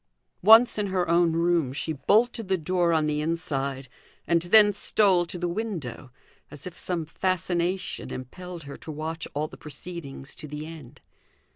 Once in her own room she bolted the door on the inside, and then stole to the window, as if some fascination impelled her to watch all the proceedings to the end.